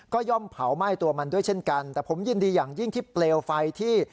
ก็ย่อมเผาไหม้ตัวมันด้วยเช่นกันแต่ผมยินดีอย่างยิ่งที่เปลวไฟที่